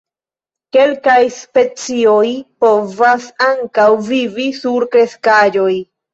Kelkaj specioj povas ankaŭ vivi sur kreskaĵoj.